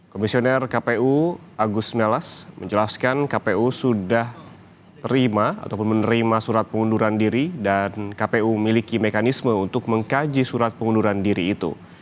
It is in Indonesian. komisioner kpu agus melas menjelaskan kpu sudah terima ataupun menerima surat pengunduran diri dan kpu miliki mekanisme untuk mengkaji surat pengunduran diri itu